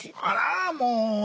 あらもう。